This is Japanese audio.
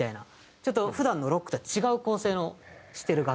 ちょっと普段のロックとは違う構成をしてる楽曲です。